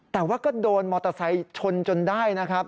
แต่ว่าก็โดนมอเตอร์ไซค์ชนจนได้นะครับ